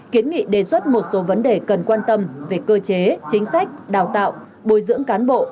kiến nghị đề xuất một số vấn đề cần quan tâm về cơ chế chính sách đào tạo bồi dưỡng cán bộ